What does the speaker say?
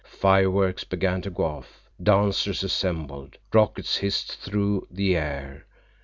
Fireworks began to go off. Dancers assembled. Rockets hissed through the air.